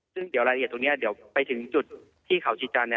ซึ่งเดี๋ยวรายละเอียดตรงนี้เดี๋ยวไปถึงจุดที่เขาชีจันทร์